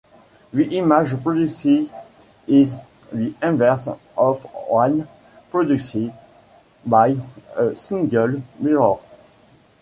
The image produced is the inverse of one produced by a single mirror.